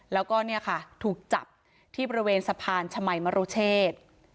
แล้วก็เนี่ยค่ะถูกจับที่บริเวณสะพานชมัยมรุเชษ